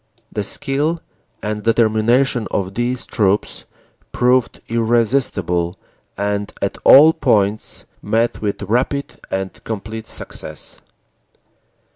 The skill and determination of these troops proved irresistible and at all points met with rapid and complete success."